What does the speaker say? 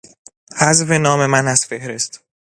حذف نام من از فهرست